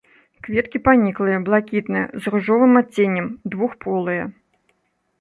Кветкі паніклыя, блакітныя з ружовым адценнем, двухполыя.